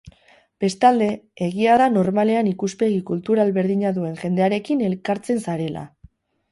Bestalde, egia da normalean ikuspegi kultural berdina duen jendearekin elkartzen zarela.